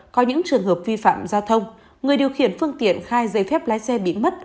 có những trường hợp vi phạm giao thông người điều khiển phương tiện khai giấy phép lái xe bị mất